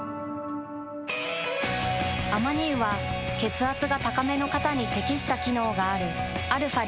アマニ油は血圧が高めの方に適した機能があるαー